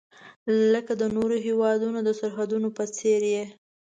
لکه د نورو هیوادونو د سرحدونو په څیر یې.